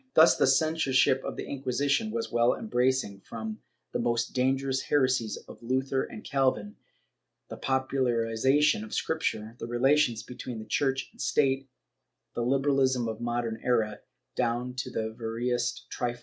* Thus the censorship of the Inquisition was all embracing, from the most dangerous heresies of Luther and Calvin, the populari zation of Scripture, the relations between Church and State and the liberaHsm of the modern era, down to the veriest trifles.